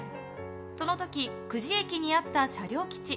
その時、久慈駅にあった車両基地。